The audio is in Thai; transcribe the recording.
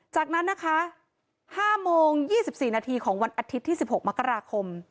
จากนั้นนะคะห้าโมงยี่สิบสี่นาทีของวันอาทิตย์ที่สิบหกมคราครคม